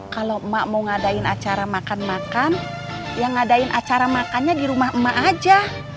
kalau emak mau ngadain acara makan makan ya ngadain acara makannya di rumah emak aja